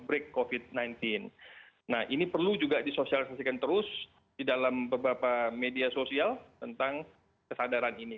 nah ini perlu juga disosialisasikan terus di dalam beberapa media sosial tentang kesadaran ini